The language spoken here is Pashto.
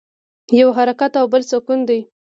یو حرکت او بل سکون دی.